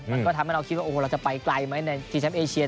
มันก็ทำให้เราคิดว่าเราจะไปไกลไหมในชิงแชมป์เอเชีย